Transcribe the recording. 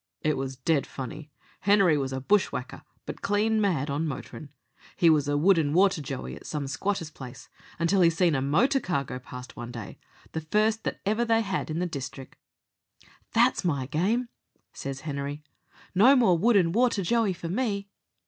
"It was dead funny. Henery was a bushwacker, but clean mad on motorin'. He was wood and water joey at some squatter's place until he seen a motor car go past one day, the first that ever they had in the districk. "'That's my game,' says Henery; 'no more wood and water joey for me.'